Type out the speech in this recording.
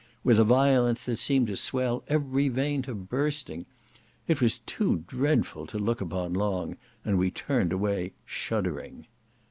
with a violence that seemed to swell every vein to bursting. It was too dreadful to look upon long, and we turned away shuddering.